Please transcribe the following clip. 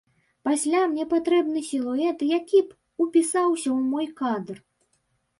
Пасля мне патрэбны сілуэт, які б упісаўся ў мой кадр.